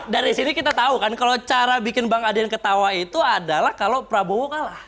dari sini kita tahu kan kalau cara bikin bang adian ketawa itu adalah kalau prabowo kalah